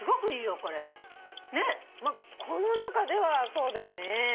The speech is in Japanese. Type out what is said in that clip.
この中ではそうだよね。